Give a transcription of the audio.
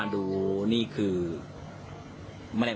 เห็นแบบนี้คนลุกมันหยุบหยาบจริง